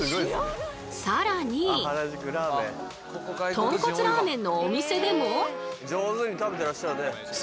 とんこつラーメンのお店でも。